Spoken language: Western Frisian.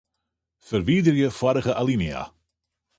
Ferwiderje foarige alinea.